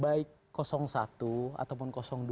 baik satu ataupun dua adalah orang yang berkembang dengan itu